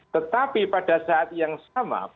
tetapi pada saat yang sama